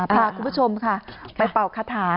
พาคุณผู้ชมค่ะไปเป่าคาถา